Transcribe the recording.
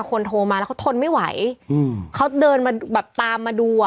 คนโทรมาแล้วเขาทนไม่ไหวอืมเขาเดินมาแบบตามมาดูอ่ะ